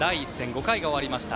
５回が終わりました。